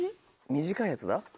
短いやつ。